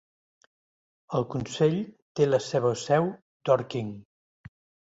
El Consell té la seva seu Dorking.